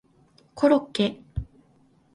コロッケ